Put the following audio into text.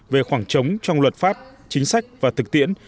về khoảng trống trong luật pháp chính sách và thực tiễn